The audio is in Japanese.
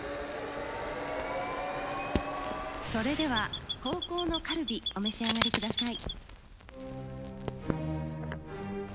それでは後攻のカルビお召し上がりください。